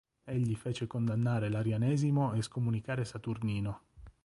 Egli fece condannare l'arianesimo e scomunicare Saturnino.